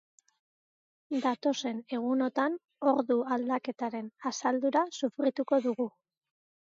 Datozen egunotan ordu aldaketaren asaldura sufrituko dugu.